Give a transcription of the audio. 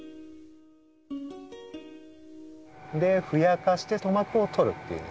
ふやかして塗膜をとるっていう。